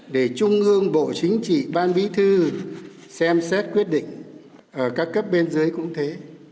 để trung ương bộ chính trị ban bí thư xem xét quyết định ở các cấp biên giới cũng thế